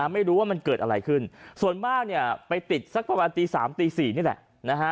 ไม่รู้ว่ามันเกิดอะไรขึ้นส่วนบ้างมีติดประมาณ๓๔นี่แหละ